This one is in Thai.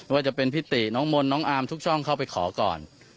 ว่าจะเป็นพี่ติน้องมนต์น้องอาร์มทุกช่องเข้าไปขอก่อน